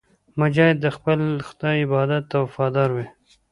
مجاهد د خپل خدای عبادت ته وفادار وي.